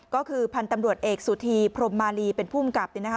ก็คือพันธุ์ตำรวจเอกสุธีพรมมาลีเป็นภูมิกับเนี่ยนะคะ